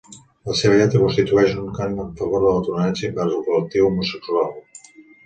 La seva lletra constitueix un cant en favor de la tolerància envers el col·lectiu homosexual.